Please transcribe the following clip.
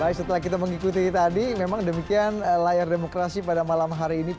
baik setelah kita mengikuti tadi memang demikian layar demokrasi pada malam hari ini